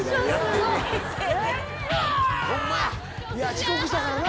遅刻したからな。